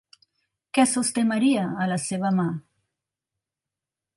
Què sosté Maria a la seva mà?